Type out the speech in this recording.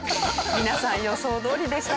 皆さん予想どおりでしたか？